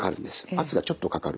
圧がちょっとかかる。